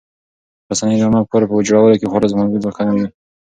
رسنۍ د عامه افکارو په جوړولو کې خورا ځواکمنې دي.